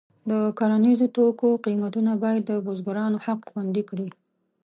د کرنیزو توکو قیمتونه باید د بزګرانو حق خوندي کړي.